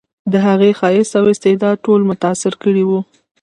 د هغې ښایست او استعداد ټول متاثر کړي وو